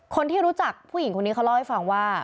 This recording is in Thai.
คนที่รู้จักผู้หญิงคนนี้เขาเล่าให้ฟังว่า